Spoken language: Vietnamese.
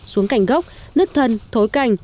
xuống cành gốc nứt thân thối cành